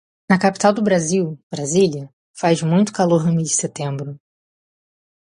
Na capital do Brasil, Brasília, faz muito calor no mês de setembro.